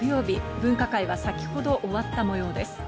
分科会は先ほど終わったもようです。